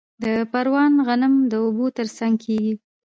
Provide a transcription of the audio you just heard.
د پروان غنم د اوبو ترڅنګ کیږي.